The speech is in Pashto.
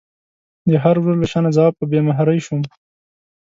د هر وره له شانه ځواب په بې مهرۍ شوم